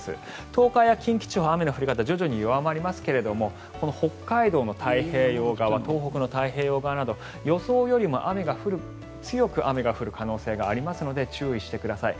東海や近畿地方雨の降り方、徐々に弱まりますが北海道の太平洋側東北の太平洋側など予想よりも強く雨が降る可能性がありますので注意してください。